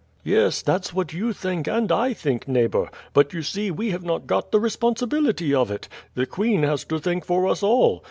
"Yes, that's what you think and I think, neighbour; but, you see, we have not got the responsibility of it. The queen has to think for us all.